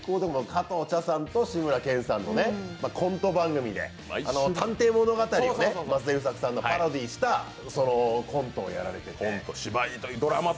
加藤茶さんと志村けんさんのコント番組で、探偵物語が松田優作さんのパロディーしたコントをやられていて。